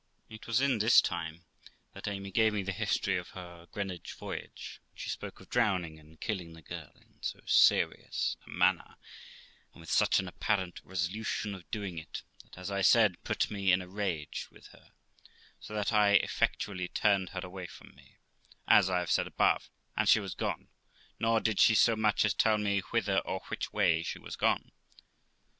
It was in this time that Amy gave me the history of her Greenwich voyage, when she spoke of drowning and killing the girl in so serious a manner, and with such an apparent resolution of doing it, that, as I said, put me in a rage with her, so that I effectually turned her away from me, as I have said above, and she was gone; nor did she so much as tell me whither or which way she was gone.